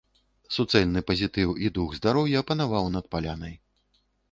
Суцэльны пазітыў і дух здароўя панаваў над палянай.